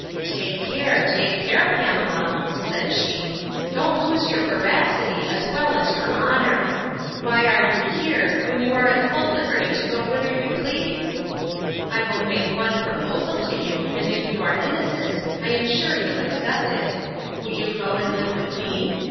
—Take care, take care, Pamela! said she: don't lose your veracity, as well as your honour!—Why are you here, when you are at full liberty to go whither you please?—I will make one proposal to you, and if you are innocent, I am sure you'll accept it. Will you go and live with me?